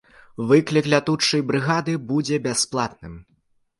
Выклік лятучай брыгады будзе бясплатным.